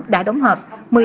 đã đóng hợp